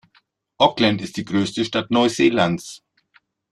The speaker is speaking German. Auckland ist die größte Stadt Neuseelands.